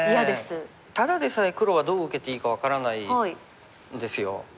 ただでさえ黒はどう受けていいか分からないんですよ。